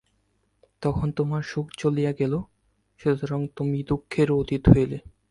তখন তোমার সুখ চলিয়া গেল, সুতরাং তুমি দুঃখেরও অতীত হইলে।